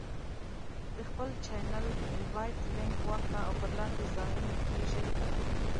د خپل چینل Invite Link واخله او په لاندې ځایونو کې یې شریک کړه: